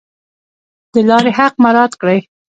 د لارې حق مراعات کړئ